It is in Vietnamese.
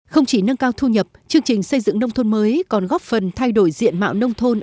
không chỉ nâng cao thu nhập chương trình xây dựng nông thôn mới còn góp phần thay đổi diện mạo nông thôn